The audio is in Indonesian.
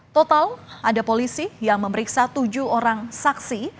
total ada polisi yang memeriksa tujuh orang saksi